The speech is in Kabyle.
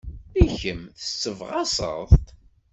I kemm, tessebɣaseḍ-t?